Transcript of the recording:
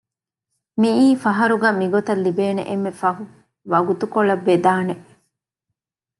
މީއީ ފަހަރުގަ މިގޮތަށް ލިބޭނެ އެންމެ ފަހު ވަގުތުކޮޅަށް ވެދާނެ